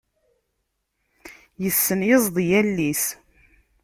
Issen yiẓḍi yall-is.